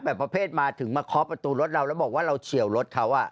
ประเภทมาถึงมาเคาะประตูรถเราแล้วบอกว่าเราเฉียวรถเขา